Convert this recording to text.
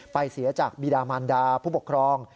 เสียจากบีดามันดาผู้ปกครอง